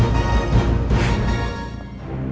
dengan kilo pemberian